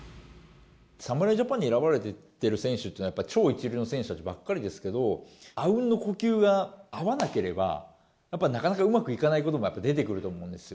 侍ジャパンに選ばれてる選手というのは、やっぱり超一流の選手たちばっかりですけれども、あうんの呼吸が合わなければ、やっぱなかなかうまくいかないことも、やっぱり出てくると思うんですよ。